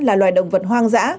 là loài động vật hoang dã